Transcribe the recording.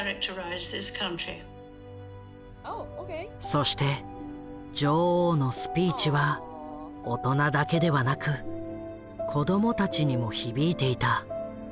そして女王のスピーチは大人だけではなく子どもたちにも響いていた。